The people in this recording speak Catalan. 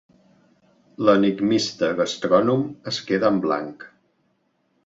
L'enigmista gastrònom es queda en blanc.